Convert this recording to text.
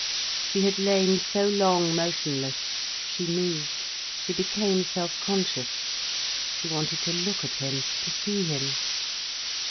She had lain so long motionless. She moved, she became self conscious. She wanted to look at him, to see him.